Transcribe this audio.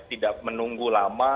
tidak menunggu lama